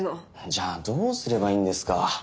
じゃあどうすればいいんですか。